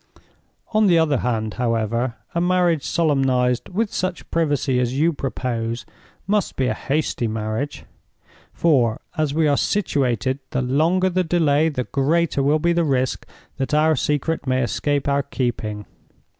On the other hand, however, a marriage solemnized with such privacy as you propose must be a hasty marriage; for, as we are situated, the longer the delay the greater will be the risk that our secret may escape our keeping.